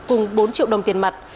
cùng bốn triệu đồng tiền mặt